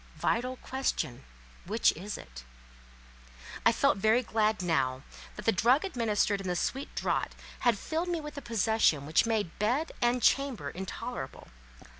Vital question—which is it? I felt very glad now, that the drug administered in the sweet draught had filled me with a possession which made bed and chamber intolerable.